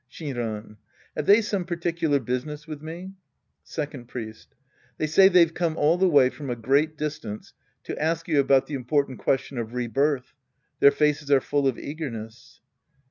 Shinran. Have they some particular business with me ? Second Priest. They say they've come all the way from a great distance to ask you about the important question of rebirth. Their faces are full of eagerness.